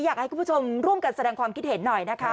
อยากให้คุณผู้ชมร่วมกันแสดงความคิดเห็นหน่อยนะคะ